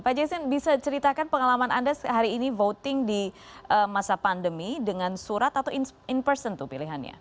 pak jason bisa ceritakan pengalaman anda hari ini voting di masa pandemi dengan surat atau in person pilihannya